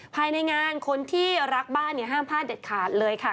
ภายในงานคนที่รักบ้านห้ามพลาดเด็ดขาดเลยค่ะ